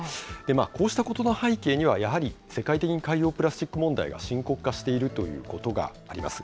こうしたことの背景には、やはり世界的に海洋プラスチック問題が深刻化しているということがあります。